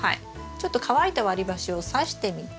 ちょっと乾いた割り箸をさしてみて。